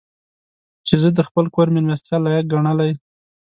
چې زه دې د خپل کور مېلمستیا لایق ګڼلی.